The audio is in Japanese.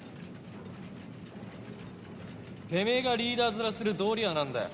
てめえがリーダー面する道理はなんだよ。